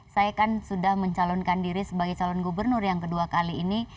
saya kan sudah mencalonkan diri sebagai calon gubernur yang kedua kali ini